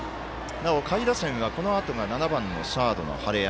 なお下位打線はこのあとが７番のサードの晴山。